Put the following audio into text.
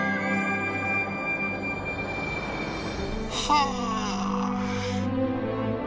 はあ！